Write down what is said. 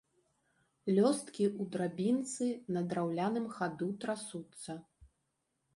Лёсткі ў драбінцы на драўляным хаду трасуцца.